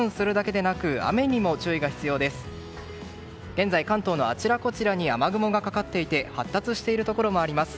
現在、関東のあちらこちらに雨雲がかかっていて発達しているところもあります。